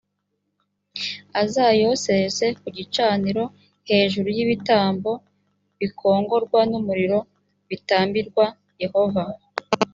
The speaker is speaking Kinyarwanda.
azayosereze ku gicaniro hejuru y’ibitambo bikongorwa n’umuriro bitambirwa yehova